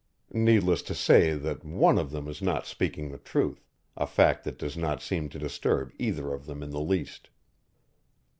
Needless to say that one of them is not speaking the truth, a fact that does not seem to disturb either of them in the least.